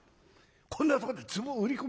こんなとこでツボを売り込む